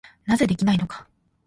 なぜできないのか。